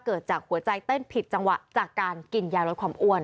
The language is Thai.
เกิดจากหัวใจเต้นผิดจังหวะจากการกินยาลดความอ้วน